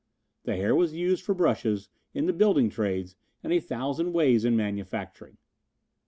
The hair was used for brushes, in the building trades, and a thousand ways in manufacturing.